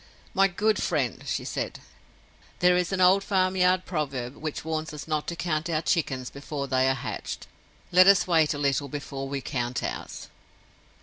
"My good friend," she said, "there is an old farmyard proverb which warns us not to count our chickens before they are hatched. Let us wait a little before we count ours."